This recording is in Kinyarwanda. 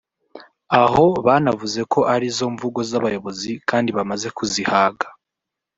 aho banavuze ko arizo mvugo z’abayobozi kandi bamaze kuzihaga